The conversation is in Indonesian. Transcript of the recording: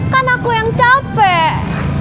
kan aku yang capek